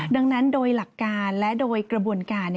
ดังนั้นโดยหลักการและโดยกระบวนการ